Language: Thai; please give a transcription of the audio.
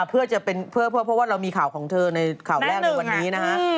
เพื่อจะเป็นเพื่อเพราะว่าเรามีข่าวของเธอในข่าวแรกในวันนี้นะฮะ